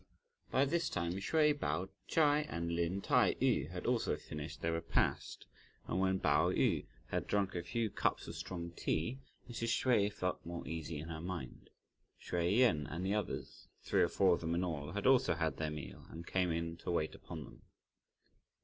By this time, Hsüeh Pao Ch'ai and Lin Tai yü had also finished their repast; and when Pao yü had drunk a few cups of strong tea, Mrs. Hsüeh felt more easy in her mind. Hsüeh Yen and the others, three or four of them in all, had also had their meal, and came in to wait upon them.